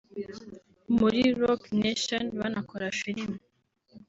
muri Roc Nation banakora filime